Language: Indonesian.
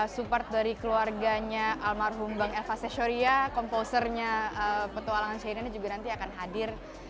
support dari keluarganya almarhum bang elva sesshoria composer nya petualangan syairina juga nanti akan hadir